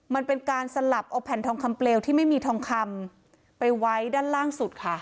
มันเป็นการสลับเอาแผ่นทองคำเปลวที่ไม่มีทองคำไปไว้ด้านล่างสุดค่ะ